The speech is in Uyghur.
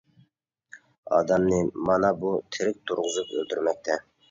ئادەمنى مانا بۇ تېرىك تۇرغۇزۇپ ئۆلتۈرمەكتە.